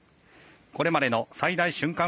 これまでの最大瞬間